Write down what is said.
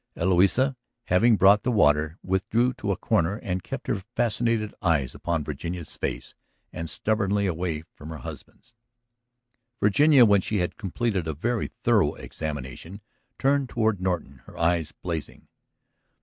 Eloisa, having brought the water, withdrew to a corner and kept her fascinated eyes upon Virginia's face and stubbornly away from her husband's. Virginia, when she had completed a very thorough examination, turned toward Norton, her eyes blazing.